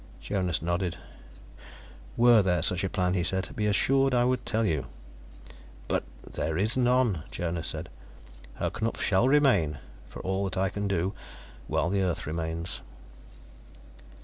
Jonas nodded. "Were there such a plan," he said, "be assured I would tell you." "But " "There is none," Jonas said. "Herr Knupf shall remain, for all that I can do, while the earth remains."